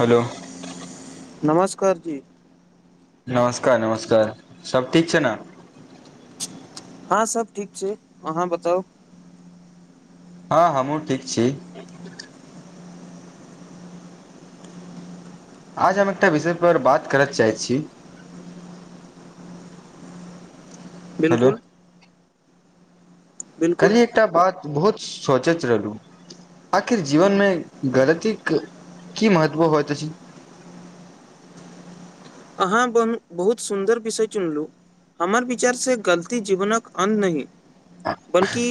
hello नमस्कार जी नमस्कार नमस्कार सब ठीक छै ने हँं सब ठीक छै अहाँ बताउ हँ हमहुँ ठीक छी आज हम एकटा विषय पर बात करऽ चाहै छी हेलो बिल्कुल बिलकुल कलि एकटा बात बहुत सोचैत रहलहुँ आखिर जीवन मे गलतीक की महत्व होएत अछि अहाँ बहुत सुन्दर विषय चुनलु हमर विचार से गलती जीवनक अन नहि बलकि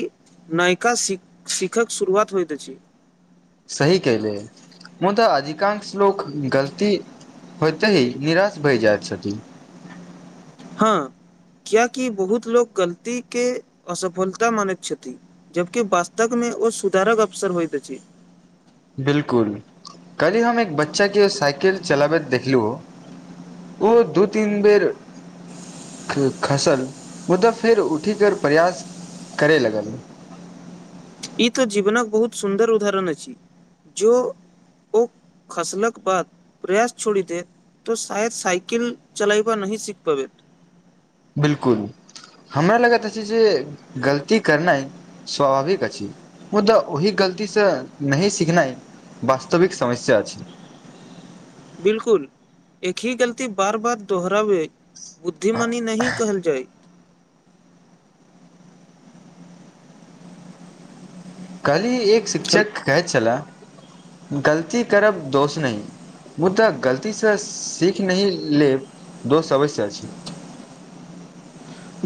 नायका शिखक शुरुआत होइत अछि सही क ले मुदा अधिकांश लोक गलती होइते निराश भय जाइत छथिन हँ कियाकि बहुत लोको गलती के असफलता मानैत छथि जबकि वास्तव मे ओ सुधारक अवसर होयइत अछि बिलकुल कली हम एक बच्चा के साइकिल चलाबैत देखलु ओ दू तीन बेर खसल मुदाऽ फेर उठि कर प्रयास करै लगल ई तऽ जीवनक बहुत सुन्दर उदाहरण अछि जो ओ खसलक बाद प्रयास छोड़ दे तो शायद साइकिल चलाबब नही सीख पाबैत बिल्कुल हमरा लगैत छै जे गलती करनाइ स्वाभाविक अछि मुदाऽ ओही गलतीसँ नहि सीखनाइ वास्तविक समस्या अछि छै बिल्कुल एकी गलती बार बार दोहराबे बुद्धिमनी नही कहल जाय कहली एक छल शिक्षक कहैत छलाह गलती करब दोष नही मुदा गलतीसँ सीख नहि लेब दोस्त अवश्य अछि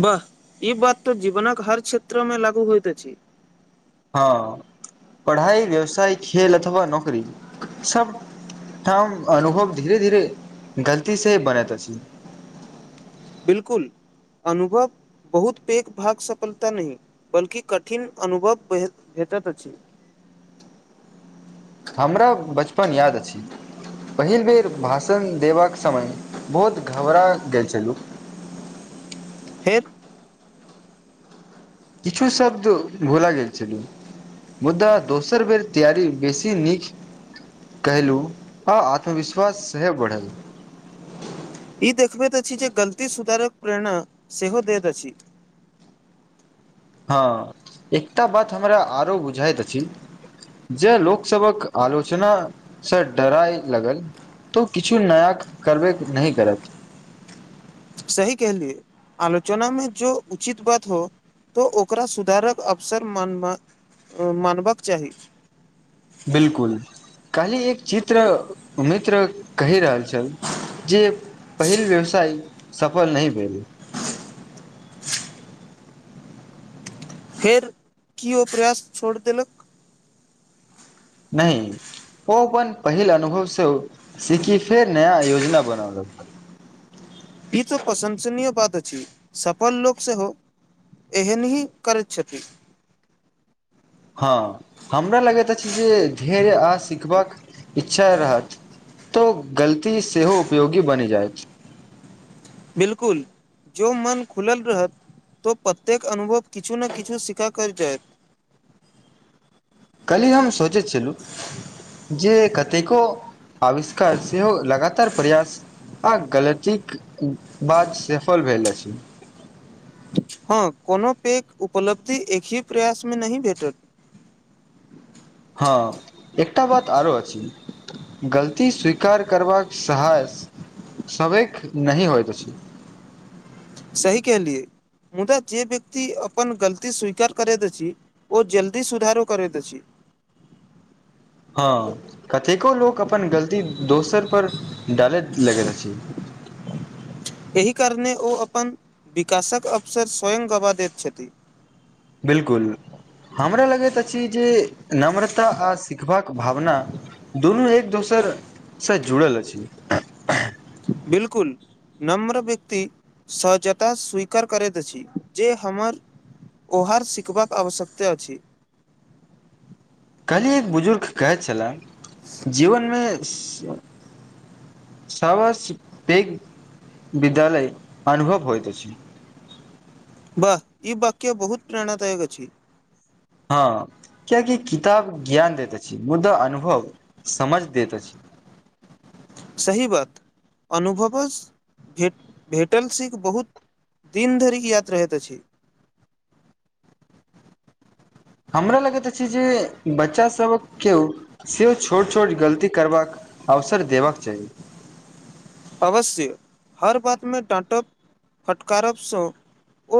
वाह ई बात तो जीवनक हर क्षेत्र में लागू होइत अछि हँ पढ़ाइ व्यवसाय खेल अथवा नौकरी सब हँ अनुभव धीरे धीरे गलती से ही बनैत अछि बिलकुल अनुभव बहुत पैघ भाग सफलता नहि बल्कि कठिन अनुभव भेटैत अछि हमरा बचपन याद अछि पहिल बेर भाषण देबाक समय बहुत घबरा गेल छलहुँ हेैत किछु शब्द भोला गेल छलीह मुद्दा दोसर बेर तैयारी बेसी नीक कहलहु अ आत्मविश्वास सेह बढ़ल ई देखबैत अछि जे गलती सुधारक प्रेरणा सेहो दैत अछि हँ एकटा बात हमरा आरो बुझाइत अछि जे लोकसभक आलोचना से डराय लगल तऽ ओ किछु नया करबे नई करत सही कहलियए आलोचना मे जो उचित बात हो तऽ ओकरा सुधारक अवसर मानबाक चाही बिल्कुल कालहि एक चित्र मित्र कहि रहल छल जे पहिल व्यवसाय सफल नहि भेल फेर की ओ प्रयास छोड़ि देलक नहि ओ अपन पहिल अनुभव से सीखी के फेर नया योजना बनोलक ई तो प्रशंसनीय बात अछि सफल लोक सेहो एहन ही करिछति हँ हमरा लगैत अछि जे ढेर आ सिखबाक इच्छा रहत तो गलती सेहो उपयोगी बनि जायत बिल्कुल जो मन खुलल रहत तो प्रत्येक अनुभव किछु ने किछु सीखा कर जायत कल्हि हम सोचैैत छलू जे कतेको आविष्कार सेहो लगातार प्रयास आ गलतीक बाद सफल भेल अछि हँ कोनो पैघ उपलब्धि एकहि प्रयासमे नहि भेटत हँ एकटा बात आरो अछि गलती स्वीकार करबाक साहस सबके नहि होयत अछि सही कहलियै मुदा जे व्यक्ति अपन गलती स्वीकार करेत अछि ओ जल्दी सुधारो करैत अछि हँ कतेको लोक अपन गलती दोसर पर डालैत लगैत अछि एहि कारणे ओ अपन विकासक अवसर स्वयं गवा दैत छथि बिल्कुल हमरा लगैत अछि जे नम्रता आ सिखबाक भावना दुनू एक दोसरसँ जुड़ल अछि बिल्कुल नम्र व्यक्ति सहजता स्वीकार करैत अछि जे हमर ओहार सिखबाक आवश्यकता अछि कहलियै एक बुजुर्ग कहै छलय जीवनमे साव पेघ विद्यालय अनुभव होइत अछि वाह ई वक्य बहुत प्रेरणादायक अछि हँ कियाकि किताब ज्ञान दैत अछि मुदा अनुभव समझ दैत अछि सही बात अनुभवस भेटल सिक बहुत दिन धर यात्र रहैत अछि हमरा लगैत अछि जे बच्चासभक केओ सेहो छोट छोट गलती करबाक अवसर देबाक चाही अवश्य हर बातमे टाँटब फटकारबसँ ओ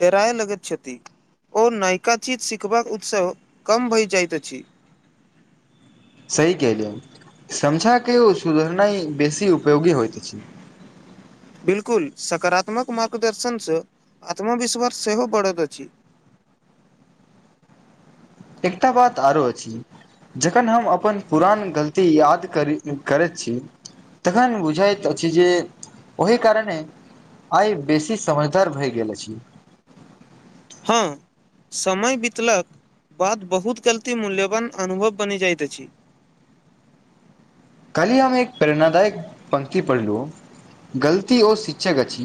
डेराय लगैत छथि ओ नयका चीज सिखबाक उत्सव कम भए जाइत अछि सही केलियै समझाक के ओ सुधरनाई बेसी उपयोगी होयत अछि बिल्कुल सकारात्मक मार्गदर्शनसँ आत्मविश्वास सेहो बढ़ैत अछि एकटा बात आरो अछि जखन हम अपन पुरान गलती याद करी करैत छी तखन बुझाइत अछि छी जे ओहि कारणे आइ बेसी समझदर भय गेल अछि हँ समय बितलक बात बहुत गलती मूल्यवान अनुभव बनि जाइत अछि कहलिय हम एक प्रेरणादायक पंक्ति पढ़लहुँ गलती ओ शिक्षक अछि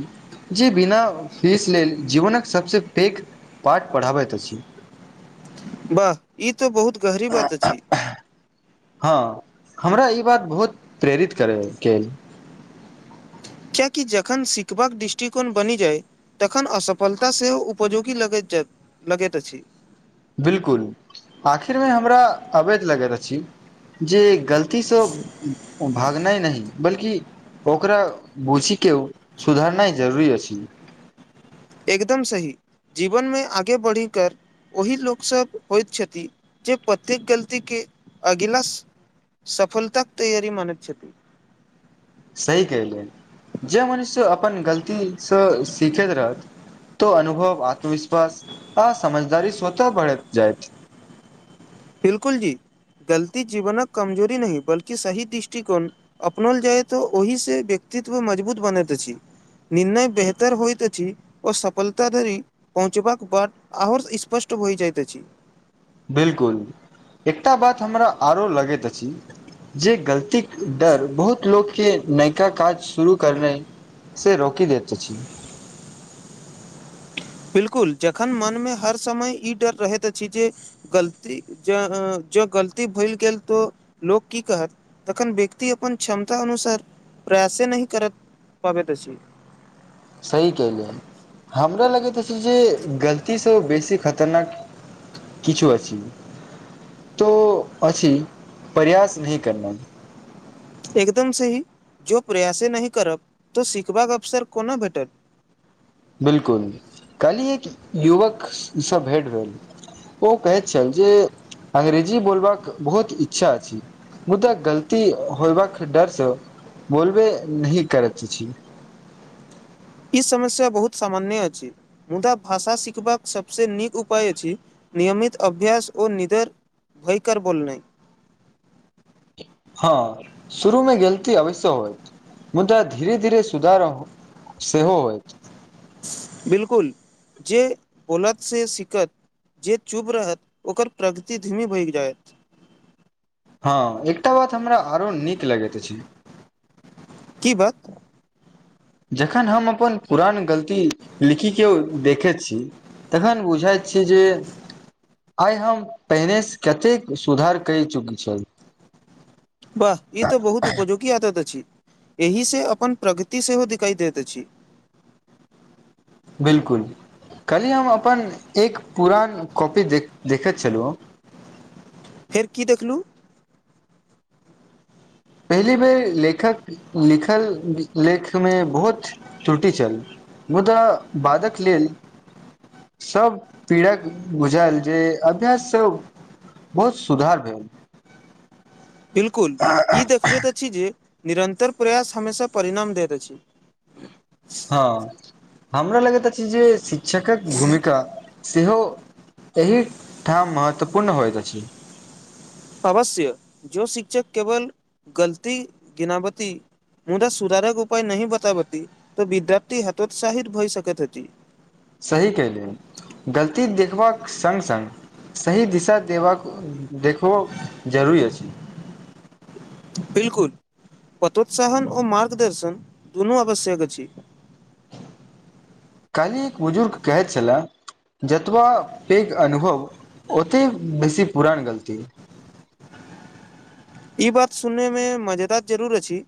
जे बिना फीस लेल जीवनक सभसँ पेघ पाठ पढ़ाबैत अछि वाह ई तऽ बहुत गहरी बात अछि हँ हमरा ई बात बहुत प्रेरित करैके कियकि जखन सिखबाक दृष्टिकोण बनि जाय तखन असफलता सेहो उपजोगी लगैत जाइत लगैत अछि बिल्कुल आखिरमे हमरा अबैध लगैत अछि जे गलतीसँ भागनाइ नहि बल्कि ओकरा बूझी के सुधरनाइ जरूरी अछि एकदम सही जीवनमे आगे बढ़ि कर ओही लोकसभ होइत छथि जे प्रत्येक गलतीके अगिला सफलतााक तैयारी मानैत छथि सही कैले जे मनुष्य अपन गलतीसँ सीखैत रहत त अनुभव आत्मविश्वास आ समझदारी स्वतः बढ़ैत जाइत बिल्कुल जी गलती जीवनक कमजोरी नहि बल्कि सही दृष्टिकोण अपनोल जाय तऽ ओहिसँ व्यक्तित्व मजबूत बनैत अछि निर्णय बेहतर होइत अछि ओ सफलता धरि पहुँचबाक बाद आओर स्पष्ट होय जाइतइत अछि बिल्कुल एकटा बात हमरा आरो लगैत अछि जे गलती डर बहुत लोक के नैयका काज शुरू करना से रोकि देते अछि बिल्कुल जखन मनमे हर समय ई डर रहैत अछि जे जँ गलती भैल गेल तऽ लोक की कहत तखन व्यक्ति अपन क्षमता अनुसार प्रयासे नहि कर पाबैत अछि सही कहैलियै हमरा लगैत अछि जे गलतीसँ ओ बेसी खतरनाक किछु अछि तो अछि प्रयास नहि करना एकदम सही जो प्रयासे नहि करब तो सिखबाक अवसर कोना भेटत बिल्कुल कैली एक युवकसँ भेट भेल ओ कहैत छल जे अंग्रेजी बोलबाक बहुत इच्छा अछि मुदा गलती होयबाक डरसँ बोलबे नही करैत अछि ई समस्या बहुत सामान्य अछि मुदा भाषा सिखबाक सभसँ नीक उपाय अछि नियमित अभ्यास ओ निडर होयक बोलनाई हँ शुरू मे गलती अवश्य हो मुदा धीरे धीरे सुधार सेहो होइत बिलकुल जे बोलत से सिखत जे चुप रहत ओकर प्रगति धीमी भागि जायत हँ एकटा बात हमरा आरो नीक लगैत अछि की बात जखन हम अपन पुरान गलती लिखिक कयो देखैत छी तखन बुझाइत छै जे आइ हम पहिने से कतेक सुधार कैल चुकी छ वाह ई तऽ बहुत उपयोगी आदत अछि एहि से अपन प्रगति सेहो दिखाई देत अछि बिल्कुल काली हम अपन एक पुरान कॉपी देखैत छलु हम फेर कि देखलु पहिली बेर लेखक लिखल लेखमे बहुत त्रुटि छल मुदा बादक लेल सब पीड़क बुझल जे अभ्यास सब बहुत सुधार भेल बिलकुल ई देखबैत अछि जे निरन्तर प्रयास हमेशा परिणाम दैत अछि हँ हमरा लगैत अछि जे शिक्षकक भूमिका सेहो एहिठाम महत्वपूर्ण होइत अछि अवश्य जो शिक्षक केवल गलती गिनावति मुदा सुधारक उपाय नहि बतावती त विद्यार्थी हतोत्साहित भए सकैत छथि सही कहली गलती देखबाक संग संग सही दिशा देवाक देखबो जरूरी अछिई बिलकुल प्रतोत्साहन और मार्गदर्शन दुनू आवश्यक अछि काल्हि एक बुजुर्ग कहैत छलाह जतबा पैघ अनुभव ओते बेसी पुरान गलती ई बात सुनयमे मजेदार जरूर अछि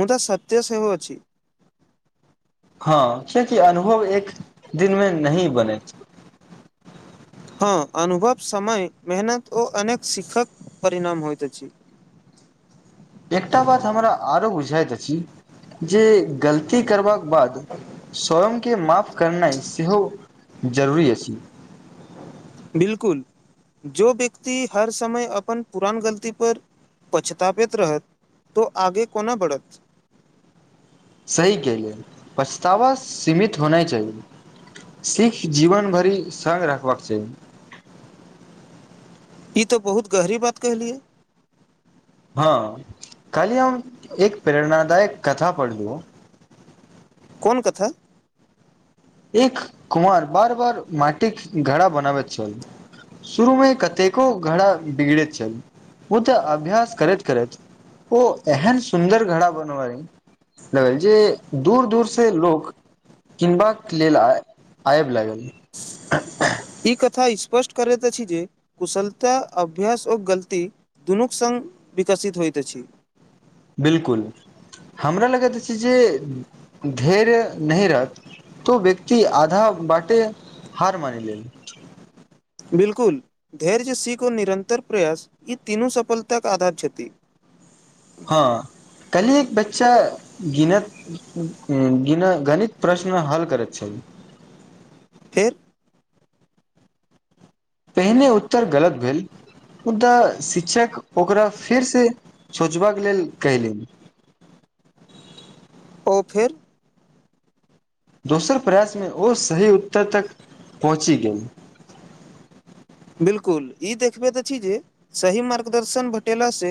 मुदा सत्य सेहो अछिए हँ कियाकि अनुभव एक दिन मे नही बनेत हँ अनुभव समय मेहनत ओ अनेक सिखक परिणाम होइत अछि एकटा बात हमरा आरो बुझाइत अछि जे गलती करबाक बाद स्वयंके माफ करनाइ सेहो जरूरी अछि बिलकुल जो व्यक्ति हर समय अपन पुरान गलती पर पछताबैत रहत तो ओ आगे कोना बढ़त सही कहले पछतावा सीमित होना जरूरी [unintelligible] सिख जीवन भरि संग रखबाक चाही ई तऽ बहुत गहरी बात कहलियै हँ काली हम एक प्रेरणादायक कथा पढ़लौ कोन कथा एक कुम्हार बार बार माटी के घरा बनाब त छल शुरू मे कतेको घड़ा बिगड़ैत छल ओ तऽ अभ्यास करैत करैत ओ एहन सुन्दर घड़ा बनबए ल जे दूर दूर से लोक किनबाक लेल [unintelligible] आयब लागल [unintelligible] ई कथा स्पष्ट करैत अछि जे कुशलता अभ्यास ओ गलती दुनूक संग विकसित होइत अछि बिलकुल [unintelligible] हमरा लगैत अछि जे धैर्य नहि रहत तो व्यक्ति आधा बाटे हार मान लेल बिल्कुल धैर्य सीख ओ निरन्तर प्रयास ई तीनू सफलताक आधार छथिन हँ कहिएक बच्चा गिनत गणित प्रश्न हल करके छै थे पहिने उत्तर गलत भेल मुदा शिक्षक ओकरा फेर से सोचबाक लेल केलनि ओ फेर दोसर प्रयासमे ओ सही उत्तर तक [unintelligible] पहुँची गेल बिलकुल ई देखबैत अछि जे सही मार्गदर्शन बतेलाह से